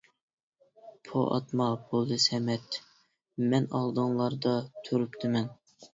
پو ئاتما بولدى سەمەت : مەن ئالدىڭلاردا تۇرۇپتىمەن.